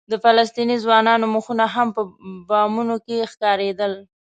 د فلسطیني ځوانانو مخونه هم په بامونو کې ښکارېدل.